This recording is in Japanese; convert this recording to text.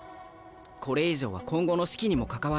これ以上は今後の士気にも関わる。